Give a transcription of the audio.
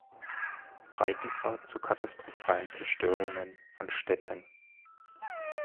Breitengrad zu katastrophalen Zerstörungen von Städten.